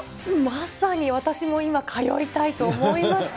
まさに私も今、通いたいと思いました。